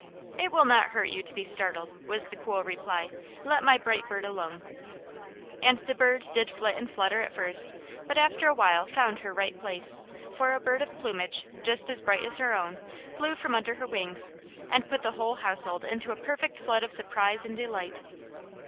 " It will not hurt you to be startled," was the cool reply. " Let my bright bird alone." And the bird did flit and flutter at first, but after a while found her right place, for a bird of plumage, just as bright as her own, flew from under her wings, and put the whole household into a perfect flood of sur prise and delight.